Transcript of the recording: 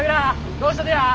どうしたとや！